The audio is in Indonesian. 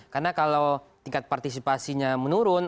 karena kalau tingkat partisipasinya menurun